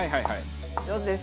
上手です。